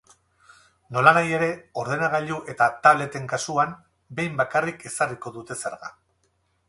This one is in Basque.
Nolanahi ere, ordenagailu eta tableten kasuan, behin bakarrik ezarriko dute zerga.